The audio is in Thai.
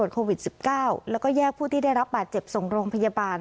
โควิด๑๙แล้วก็แยกผู้ที่ได้รับบาดเจ็บส่งโรงพยาบาล